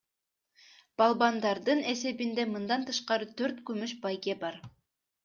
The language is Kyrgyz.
Балбандардын эсебинде мындан тышкары төрт күмүш байге бар.